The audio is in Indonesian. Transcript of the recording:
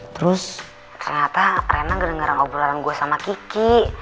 terus ternyata rena nggak denger obrolan gue sama kiki